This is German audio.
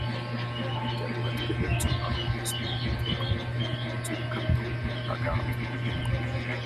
Der Ort gehört zum Arrondissement Toulon und zum Kanton La Garde.